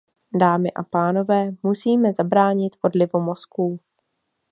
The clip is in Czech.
Dámy a pánové, musíme zabránit odlivu mozků.